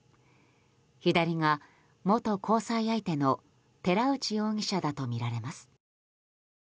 左が元交際相手の寺内容疑者だとみられます。